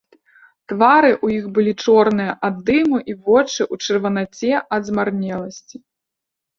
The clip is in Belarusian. Твары ў іх былі чорныя ад дыму і вочы ў чырванаце ад змарнеласці.